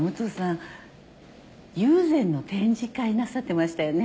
友禅の展示会なさってましたよね？